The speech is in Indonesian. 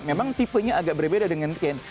memang tipenya agak berbeda dengan kane